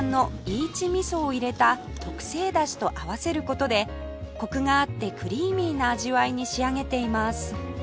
いちみそを入れた特製出汁と合わせる事でコクがあってクリーミーな味わいに仕上げています